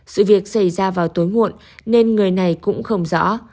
sự việc xảy ra vào tối muộn nên người này cũng không rõ